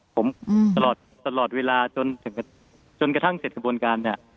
ผมอืมตลอดตลอดเวลาจนถึงจนกระทั่งเสร็จกระบวนการน่ะ